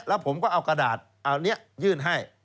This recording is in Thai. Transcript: แล้วผมก็เอากระดาษเอานี้ยื่นให้